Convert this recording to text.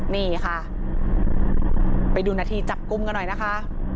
นี่ค่ะไปดูนาทีจับกลุ่มกันหน่อยนะคะ